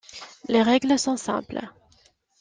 Les règles sont simples.